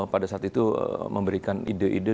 pada saat itu memberikan ide ide